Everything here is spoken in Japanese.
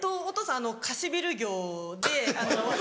お父さん貸しビル業で。